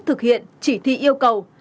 thực hiện chỉ thi yêu cầu